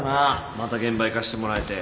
また現場行かせてもらえて